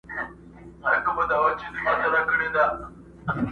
په دښتونو کي چي ګرځې وږی پلی؛